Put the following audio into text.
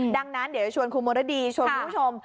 ดังนั้นเดี๋ยวจะชวนคุณมรดีชวนคุณผู้ชม